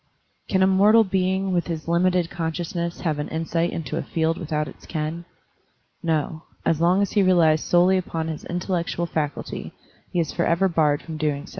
Can a mortal being with his limited conscious ness have an insight into a field without its ken? No; as long as he relies solely upon his intellec tual faculty, he is forever barred from so doing.